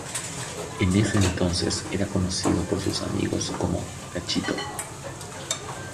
En ese entonces era conocido por sus amigos como "Cachito".